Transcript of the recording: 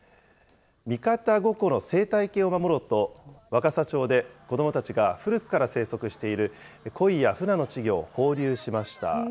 三方五湖の生態系を守ろうと、若狭町で子どもたちが古くから生息しているコイやフナの稚魚を放流しました。